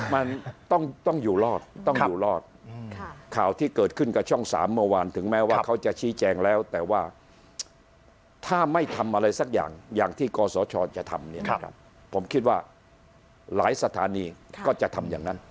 มันต้องอยู่รอดต้องอยู่รอดข่าวที่เกิดขึ้นกับช่อง๓เมื่อวานถึงแม้ว่าเขาจะชี้แจงแล้วแต่ว่าถ้าไม่ทำอะไรสักอย่างอย่างที่กศชจะทำเนี่ยนะครับผมคิดว่าหลายสถานีก็จะทำอย่างนั้น